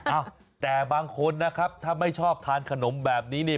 เอ้าแต่บางคนนะครับถ้าไม่ชอบทานขนมแบบนี้เนี่ย